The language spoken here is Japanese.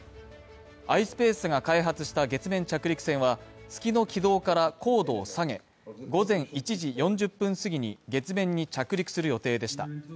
ｉｓｐａｃｅが開発した月面着陸船は、月の軌道から高度を下げ、午前１時４０分過ぎに月面に着陸する予定でした。